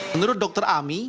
menurut dokter ami